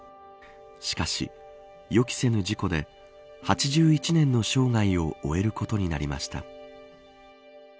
しかし、予期せぬ事故で８１年の生涯を終えることになりました。